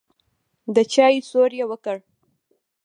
د چايو سور يې وکړ.